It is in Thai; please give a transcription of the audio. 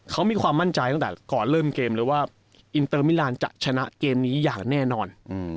เขามีความมั่นใจตั้งแต่ก่อนเริ่มเกมเลยว่าอินเตอร์มิลานจะชนะเกมนี้อย่างแน่นอน